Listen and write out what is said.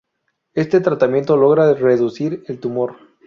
Este tratamiento logra reducir el tumor.